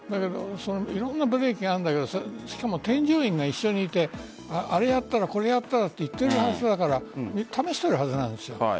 いろんなブレーキがあるんだけど添乗員が一緒にいてあれやったら、これやったらと言っているはずだから試しているはずなんですよ。